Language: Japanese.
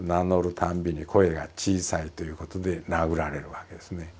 たんびに声が小さいということで殴られるわけですね。